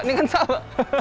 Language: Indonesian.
ini kan salah